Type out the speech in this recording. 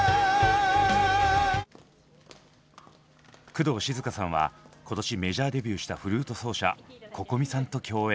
工藤静香さんは今年メジャーデビューしたフルート奏者Ｃｏｃｏｍｉさんと共演。